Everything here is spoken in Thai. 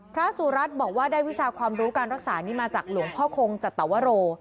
สุรัตน์บอกว่าได้วิชาความรู้การรักษานี้มาจากหลวงพ่อคงจัตวโร